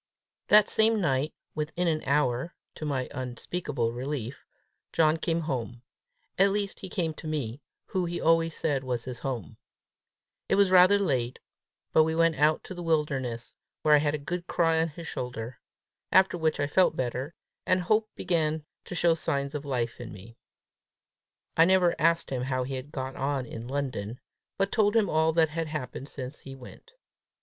That same night, within an hour, to my unspeakable relief, John came home at least he came to me, who he always said was his home. It was rather late, but we went out to the wilderness, where I had a good cry on his shoulder; after which I felt better, and hope began to show signs of life in me. I never asked him how he had got on in London, but told him all that had happened since he went.